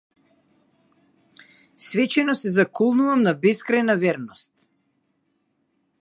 Свечено се заколнувам на бескрајна верност.